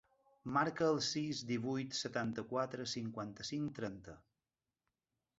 Marca el sis, divuit, setanta-quatre, cinquanta-cinc, trenta.